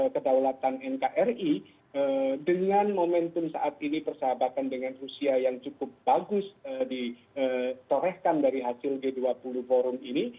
kedaulatan nkri dengan momentum saat ini persahabatan dengan rusia yang cukup bagus ditorehkan dari hasil g dua puluh forum ini